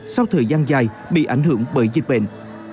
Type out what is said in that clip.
sau thời gian dài bị ảnh hưởng bởi dịch bệnh